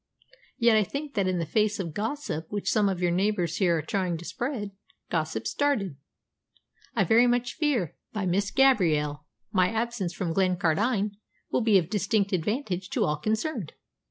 Yet I think that in the face of gossip which some of your neighbours here are trying to spread gossip started, I very much fear, by Miss Gabrielle my absence from Glencardine will be of distinct advantage to all concerned.